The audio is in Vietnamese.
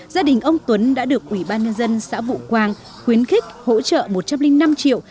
gia đình ông tuấn đã được ủy ban nhân dân xã vũ quang khuyến khích hỗ trợ một trăm linh năm triệu